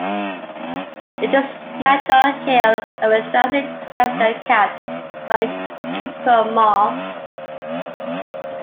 It is a natural hill of Triassic sandstone capped by Keuper marl.